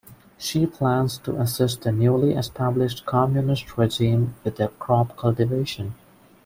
She plans to assist the newly established communist regime with their crop cultivation.